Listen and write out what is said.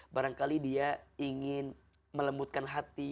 barangkali dia ingin melembutkan hati